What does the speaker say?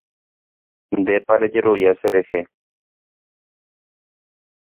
Ndépa rejerovia cherehe.